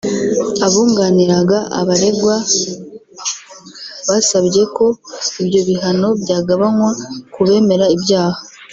Abunganiraga abaregwa basabye ko ibyo bihano byagabanywa ku bemera ibyaha